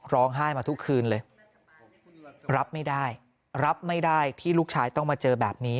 ร้องไห้มาทุกคืนเลยรับไม่ได้รับไม่ได้ที่ลูกชายต้องมาเจอแบบนี้